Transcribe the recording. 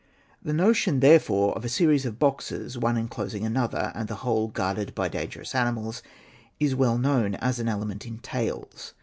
318). The notion, therefore, of a series of boxes, one enclosing another, and the whole guarded by dangerous animals, is well known as an element in tales.